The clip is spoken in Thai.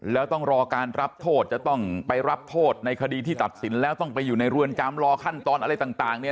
แล้วต้องรอการรับโทษจะต้องไปรับโทษในคดีที่ตัดสินแล้วต้องไปอยู่ในเรือนจำรอขั้นตอนอะไรต่างเนี่ย